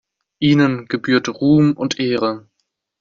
Ihnen gebührt Ruhm und Ehre.